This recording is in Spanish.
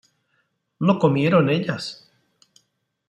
¿No comieron ellas?